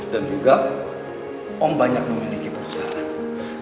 dan juga om banyak memiliki perusahaan